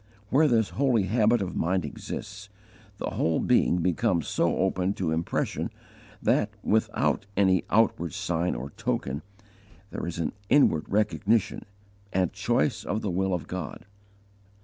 _ Where this holy habit of mind exists, the whole being becomes so open to impression that, without any outward sign or token, there is an inward recognition and choice of the will of God.